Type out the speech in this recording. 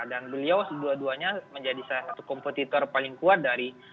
dan beliau dua duanya menjadi salah satu kompetitor paling kuat dari